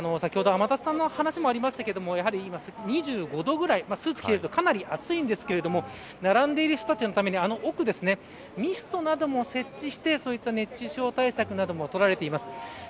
ただ、先ほど天達さんのお話にもありましたけれども２５度ぐらいスーツを着てると、かなり暑いんですが並んでる人たちのためにあの奥、ミストなども設置して熱中症対策などもとられています。